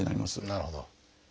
なるほど。